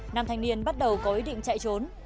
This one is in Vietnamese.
nam thanh niên bắt đầu có ý định chạy trốn